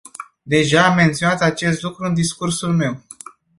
Deja am menționat acest lucru în discursul meu.